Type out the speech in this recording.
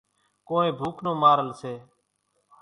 ڪونئين ڀوُک نون مارل سي۔